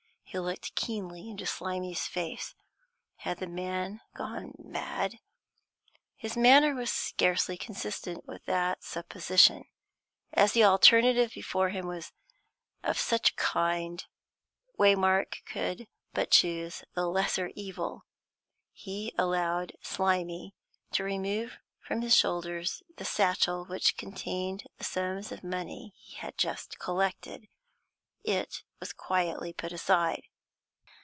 He looked keenly into Slimy's face. Had the man gone mad! His manner was scarcely consistent with that supposition. As the alternative before him was of such a kind, Waymark could but choose the lesser evil. He allowed Slimy to remove from his shoulders the satchel which contained the sums of money he had just collected. It was quietly put aside.